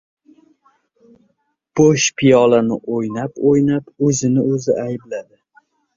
Bush piyolani o‘ynab-o‘ynab, o‘zini-o‘zi aybladi: